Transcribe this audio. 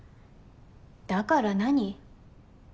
だから何？